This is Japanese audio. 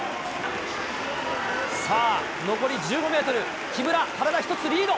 さあ、残り１５メートル、木村、体１つリード。